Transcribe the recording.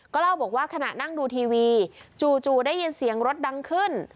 เล่าบอกว่าขณะนั่งดูทีวีจู่ได้ยินเสียงรถดังขึ้น